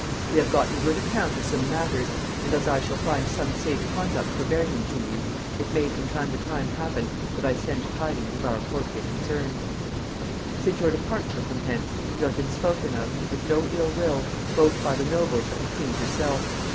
We have gotten good account of some matters, and as I shall find some safe conduct for bearing them to you, it may from time to time happen that I send tidings of our courtly concerns. "Since your departure from hence, you have been spoken of, and with no ill will, both by the nobles and the queen herself.